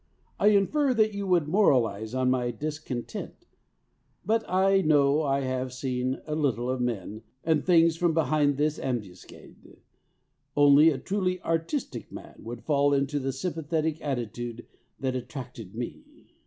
I infer that you would moralise on my discontent, but I know I have seen a little of men and things from behind this ambuscade only a truly artistic man would fall into the sympathetic attitude that attracted me.